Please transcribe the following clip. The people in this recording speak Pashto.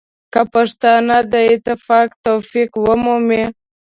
که پښتانه د اتفاق توفیق ومومي.